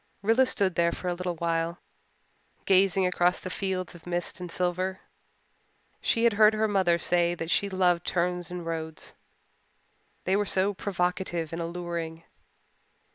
Rilla stood there for a little while, gazing across the fields of mist and silver. She had heard her mother say that she loved turns in roads they were so provocative and alluring.